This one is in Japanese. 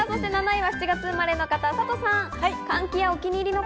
７位は７月生まれの方、サトさん。